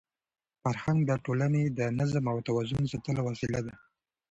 فرهنګ د ټولني د نظم او توازن ساتلو وسیله ده.